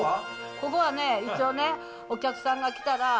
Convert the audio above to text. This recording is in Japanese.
ここはね、一応、お客さんが来たら。